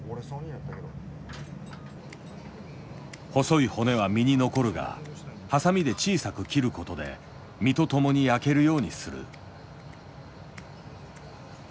細い骨は身に残るがハサミで小さく切る事で身と共に焼けるようにする。